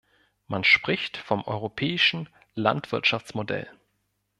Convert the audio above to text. Man spricht vom europäischen Landwirtschaftsmodell.